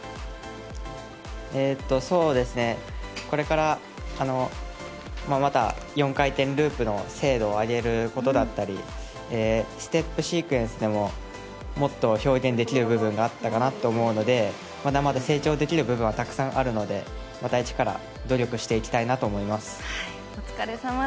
これからまだ４回転ループの精度を上げることだったりステップシークエンスでももっと表現できる部分があったかなと思うのでまだまだ成長できる部分はたくさんあるのでまた一から努力していきたいと思います。